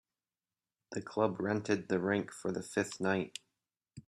The club rented the rink for the fifth night.